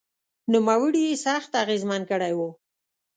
نوموړي یې سخت اغېزمن کړی و